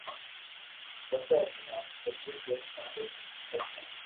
پسو اوري آ ڀگتي جوئين مالڪ اوتي پرسن